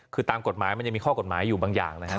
คือตามกฎหมายมันยังมีข้อกฎหมายอยู่บางอย่างนะครับ